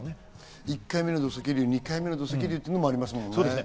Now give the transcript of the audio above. １回目の土石流、２回目の土石流ということもありますもんね。